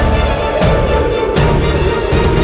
kau sudah missing